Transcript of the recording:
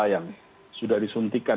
yang sudah disuntikan